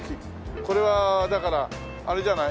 これはだからあれじゃない？